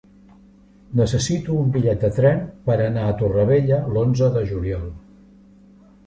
Necessito un bitllet de tren per anar a Torrevella l'onze de juliol.